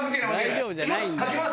いきます！